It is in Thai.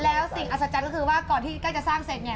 แล้วสิ่งอัศจรรย์ก็คือว่าก่อนที่ใกล้จะสร้างเสร็จเนี่ย